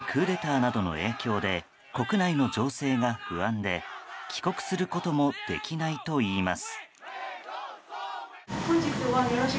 母国のミャンマーは軍によるクーデターなどの影響で国内の情勢が不安で帰国することもできないといいます。